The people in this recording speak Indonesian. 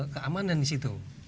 keamanan di situ